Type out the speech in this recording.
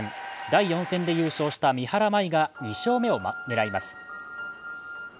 第４戦で優勝した三原舞依が２勝目を狙います。